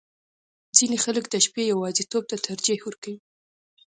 • ځینې خلک د شپې یواځیتوب ته ترجیح ورکوي.